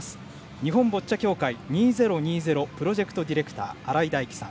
日本ボッチャ協会２０２０プロジェクトディレクター新井大基さん。